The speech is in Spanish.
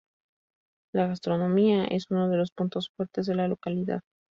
La gastronomía es uno de los puntos fuertes de la localidad.